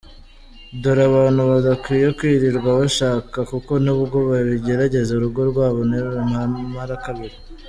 Dore abantu badakwiye kwirirwa bashaka kuko nubwo babigerageza urugo rwabo ntirumara kabiri.